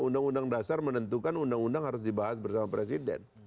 undang undang dasar menentukan undang undang harus dibahas bersama presiden